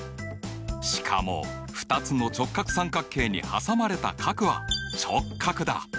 しかも２つの直角三角形に挟まれた角は直角だ。